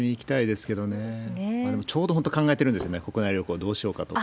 でも、ちょうど本当、考えてるんですよね、国内旅行、どうしようかと。